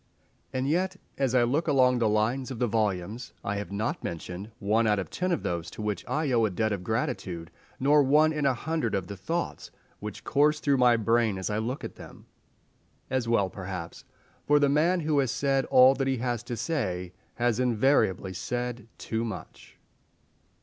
And yet, as I look along the lines of the volumes, I have not mentioned one out of ten of those to which I owe a debt of gratitude, nor one in a hundred of the thoughts which course through my brain as I look at them. As well perhaps, for the man who has said all that he has to say has invariably said too much.